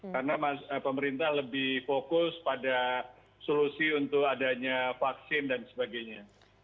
karena pemerintah lebih fokus pada solusi untuk adanya vaksin dan sebagainya